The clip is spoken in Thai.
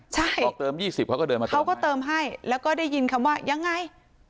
ใช่เดินมาเขาก็เติมให้แล้วก็ได้ยินคำว่ายังไง